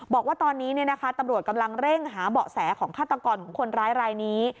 บอกว่าตอนนี้ตำรวจกำลังเร่งหาเบาะแสของฆาตกรของคนร้ายรายนี้